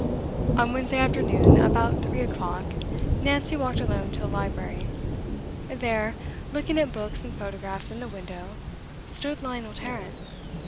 On Wednesday afternoon, about three o'clock, Nancy walked alone to the library. There, looking at books and photographs in the window, stood Lionel Tarrant.